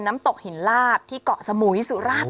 น้ำตกหินลาบที่เกาะสมุยสุราช